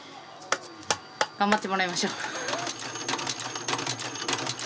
頑張ってもらいましょう。